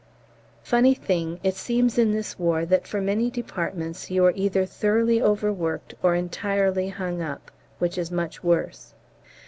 Funny thing, it seems in this war that for many departments you are either thoroughly overworked or entirely hung up, which is much worse.